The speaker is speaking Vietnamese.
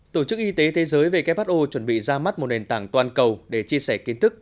tổ chức y tế thế giới who chuẩn bị ra mắt một nền tảng toàn cầu để chia sẻ kiến thức